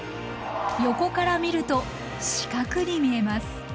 横から見ると四角に見えます。